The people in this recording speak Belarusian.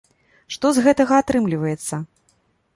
Што з гэтага атрымліваецца?